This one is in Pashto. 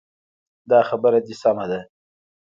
دا خبره دې سمه ده.